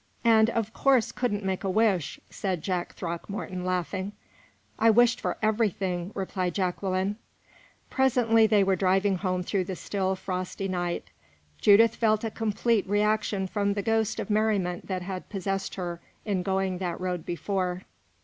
"And of course couldn't make a wish," said Jack Throckmorton, laughing. "I wished for everything," replied Jacqueline. Presently they were driving home through the still, frosty night. Judith felt a complete reaction from the ghost of merriment that had possessed her in going that road before.